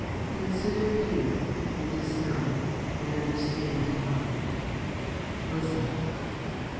Consider here, and discern, and understand, how. Listen.